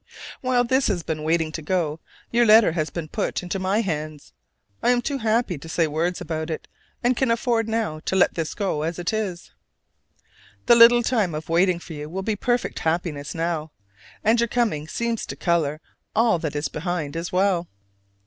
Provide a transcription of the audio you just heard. While this has been waiting to go, your letter has been put into my hands. I am too happy to say words about it, and can afford now to let this go as it is. The little time of waiting for you will be perfect happiness now; and your coming seems to color all that is behind as well.